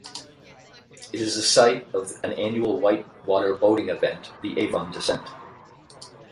It is the site of an annual whitewater boating event, the Avon Descent.